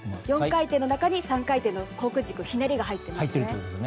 ４回転の中に３回転のコーク軸ひねりが入っています。